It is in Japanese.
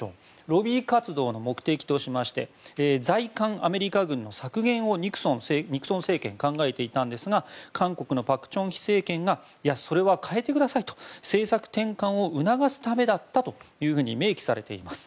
ロビー活動の目的としまして在韓米軍の削減を、ニクソン政権が考えていたんですが韓国の朴正煕政権がそれは変えてくださいと政策転換を促すためだったと明記されています。